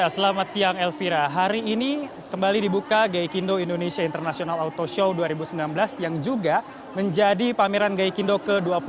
selamat siang elvira hari ini kembali dibuka gai kindo indonesia international auto show dua ribu sembilan belas yang juga menjadi pameran gaikindo ke dua puluh dua